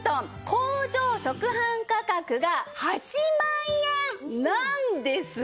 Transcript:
工場直販価格が８万円なんですが。